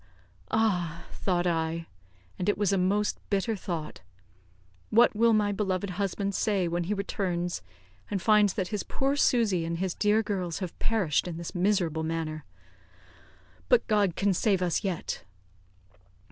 "Ah," thought I and it was a most bitter thought "what will my beloved husband say when he returns and finds that his poor Susy and his dear girls have perished in this miserable manner? But God can save us yet."